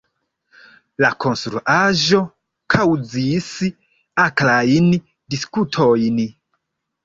La konstruaĵo kaŭzis akrajn diskutojn.